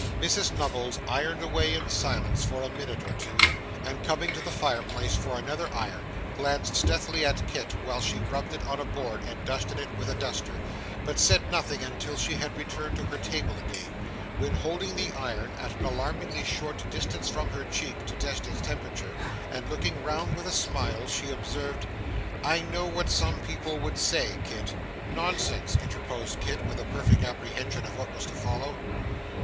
Mrs Nubbles ironed away in silence for a minute or two, and coming to the fireplace for another iron, glanced stealthily at Kit while she rubbed it on a board and dusted it with a duster, but said nothing until she had returned to her table again: when, holding the iron at an alarmingly short distance from her cheek, to test its temperature, and looking round with a smile, she observed: 'I know what some people would say, Kit ' 'Nonsense,' interposed Kit with a perfect apprehension of what was to follow.